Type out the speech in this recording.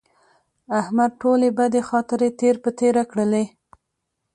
احمد ټولې بدې خاطرې تېر په تېره کړلې.